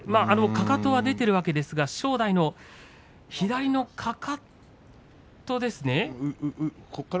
かかとは出ているわけですが正代の左のかかとですね。